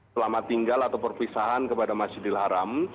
selamat tinggal atau perpisahan kepada masjidil haram